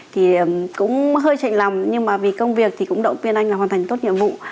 thì cũng hơi chạy lòng nhưng mà vì công việc thì cũng động viên anh là hoàn thành tốt nhiệm vụ